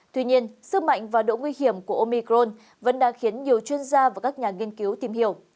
tuy nhiên sức mạnh và độ nguy hiểm của omicron vẫn đang khiến nhiều chuyên gia và các nhà nghiên cứu tìm hiểu